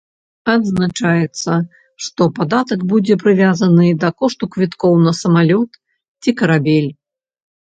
Адзначаецца, што падатак будзе прывязаны да кошту квіткоў на самалёт ці карабель.